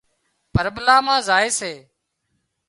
پرٻلا مان زائي سي